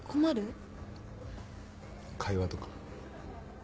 会話とか。